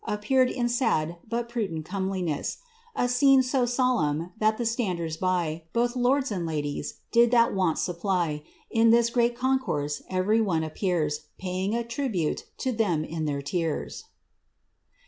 Appeared in sad but pnident comeliness. A scene so solemn, that the standers by. Both lords and ladies, did that want supply ; In this great concourse every one appears Paying a tribute to them in their tears."